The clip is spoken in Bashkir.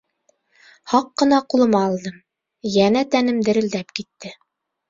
Һаҡ ҡына ҡулыма алдым, йәнә тәнем дерелдәп китте.